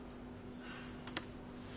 はあ。